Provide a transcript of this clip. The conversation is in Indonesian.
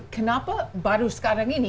kenapa baru sekarang ini